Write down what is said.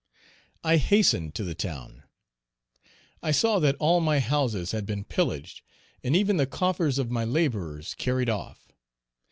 I hastened to the town. I saw that all my houses had been pillaged and even the coffers of my laborers carried off.